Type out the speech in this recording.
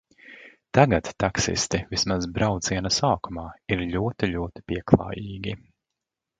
Tagad taksisti, vismaz brauciena sākumā, ir ļoti, ļoti pieklājīgi.